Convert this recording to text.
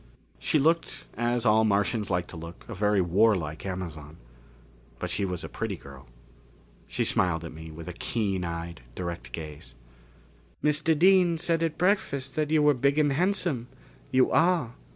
She looked, as all Martians like to look, a very warlike Amazon. But she was a pretty girl. She smiled at me with a keen eyed, direct gaze. "Mr. Dean said at breakfast that you were big and handsome. You are."